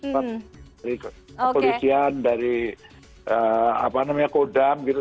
kepolisian dari apa namanya kodam gitu